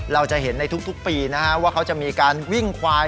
เราจะเห็นในทุกปีนะฮะว่าเขาจะมีการวิ่งควาย